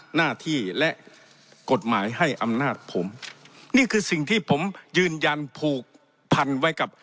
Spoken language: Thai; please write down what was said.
หน้าที่และกฎหมายให้อำนาจผมนี่คือสิ่งที่ผมยืนยันผูกพันไว้กับ